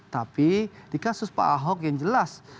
tapi di kasus pak ahok yang jelas